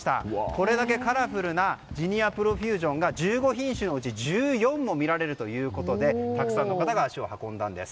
これだけカラフルなジニアプロフュージョンが１５品種のうち１４も見られるということでたくさんの方が足を運んだんです。